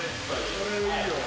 これ、いいよ。